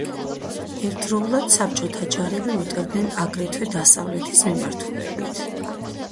ერთდროულად საბჭოთა ჯარები უტევდნენ აგრეთვე დასავლეთის მიმართულებით.